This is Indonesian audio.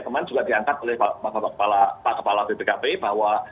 kemarin juga diangkat oleh pak kepala bpkp bahwa